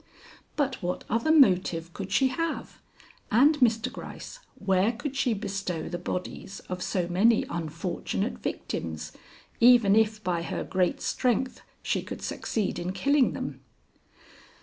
"But what other motive could she have? And, Mr. Gryce, where could she bestow the bodies of so many unfortunate victims, even if by her great strength she could succeed in killing them?"